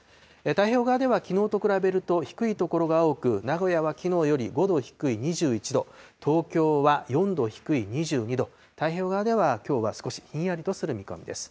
太平洋側ではきのうの比べると低い所が多く、名古屋はきのうより５度低い２１度、東京は４度低い２２度、太平洋側ではきょうは少しひんやりとする見込みです。